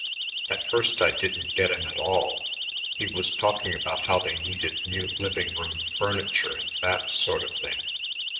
At first I didn't get him at all. He was talking about how they needed new living room furniture and that sort of thing.